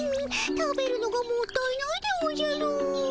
食べるのがもったいないでおじゃる。